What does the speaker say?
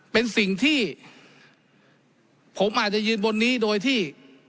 เป็นสิ่งที่ผมอาจจะยืนบนนี้โดยที่